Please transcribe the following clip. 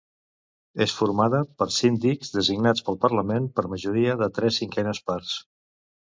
És formada per síndics designats pel Parlament per majoria de tres cinquenes parts.